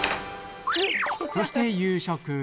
そして夕食。